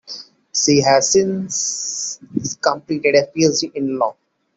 He has since completed a PhD in Law.